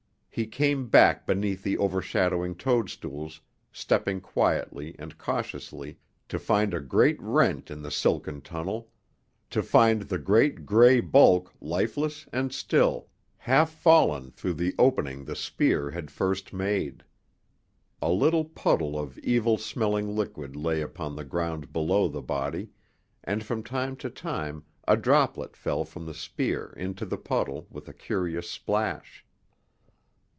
He came back beneath the overshadowing toadstools, stepping quietly and cautiously, to find a great rent in the silken tunnel, to find the great gray bulk lifeless and still, half fallen through the opening the spear had first made. A little puddle of evil smelling liquid lay upon the ground below the body, and from time to time a droplet fell from the spear into the puddle with a curious splash.